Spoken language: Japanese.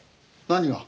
何が？